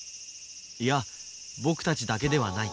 いや僕たちだけではない。